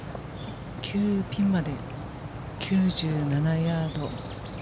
ピンまで９７ヤード。